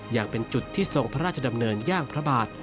ยังเป็นจุดที่ทรงพระราชดำเนินย่างพระบาท